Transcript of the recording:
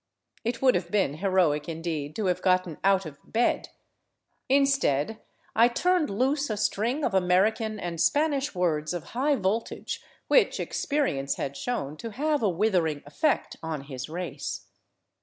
It would have been heroic indeed to have gotten out of " bed.'* Instead, I turned loose a string of American and Spanish words of high voltage which experience had shown to have a withering effect on his race.